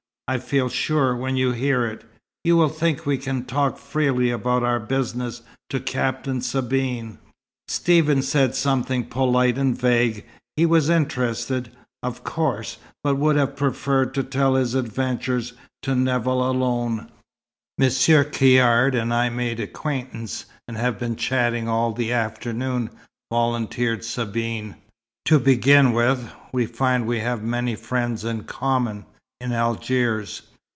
I feel sure, when you hear it, you will think we can talk freely about our business to Captain Sabine." Stephen said something polite and vague. He was interested, of course, but would have preferred to tell his adventure to Nevill alone. "Monsieur Caird and I made acquaintance, and have been chatting all the afternoon," volunteered Sabine. "To begin with, we find we have many friends in common, in Algiers.